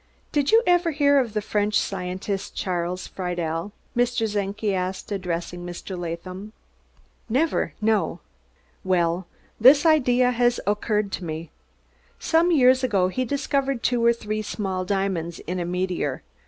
"Did you ever hear of the French scientist, Charles Friedel?" Mr. Czenki asked, addressing Mr. Latham. "Never, no." "Well, this idea has occurred to me. Some years ago he discovered two or three small diamonds in a meteor.